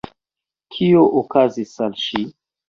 Kio okazis al ŝi?